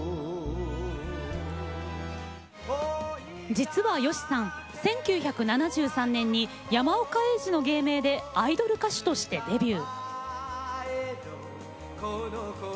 実は吉さん、１９７３年に山岡英二の芸名でアイドル歌手としてデビュー。